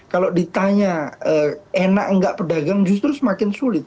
kalau ditanya enak enggak pedagang justru semakin sulit